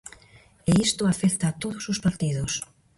E isto afecta a todos os partidos.